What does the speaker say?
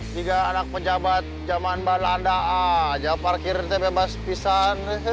tiga anak pejabat zaman balanda aja parkirin tebebas pisang